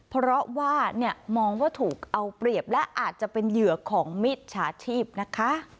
เพราะว่ามองว่าถูกเอาเปรียบและอาจจะเป็นเหยื่อของมิจฉาชีพนะคะ